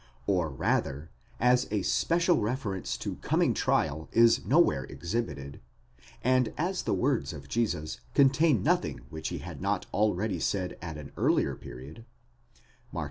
Or rather, as a special reference to coming trial is nowhere exhibited, and as the words of Jesus contain nothing which he had not already said at an earlier period (Matt.